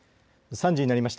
３時になりました。